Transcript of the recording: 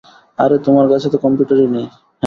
আরে, তোমার কাছে তো কম্পিউটারই নেই।